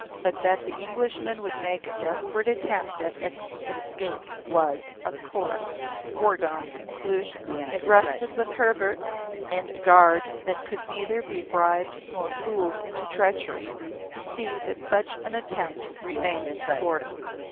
But that the Englishman would make a desperate attempt at escape was, of course, a foregone conclusion. It rested with Hebert and a guard that could neither be bribed nor fooled into treachery, to see that such an attempt remained abortive.